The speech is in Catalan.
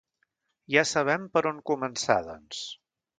Ja sabem per on començar, doncs.